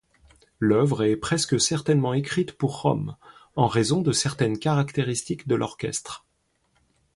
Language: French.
L'œuvre est presque certainement écrite pour Rome, en raison de certaines caractéristiques de l'orchestre.